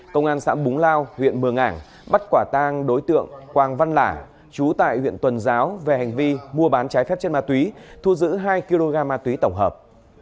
công an xã búng lao huyện mường ảng bắt quả tang đối tượng quang văn lả chú tại huyện tuần giáo về hành vi mua bán trái phép chất ma túy thu giữ hai kg ma túy tổng hợp